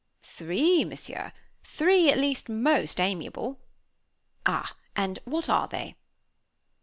"Three, Monsieur, three, at least most amiable." "Ah! And what are they?"